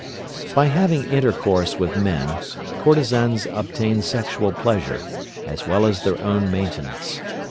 By having intercourse with men courtesans obtain sexual pleasure, as well as their own maintenance.